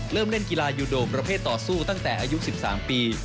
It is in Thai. เล่นกีฬายูโดมประเภทต่อสู้ตั้งแต่อายุ๑๓ปี